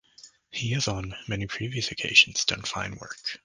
He has on many previous occasions done fine work.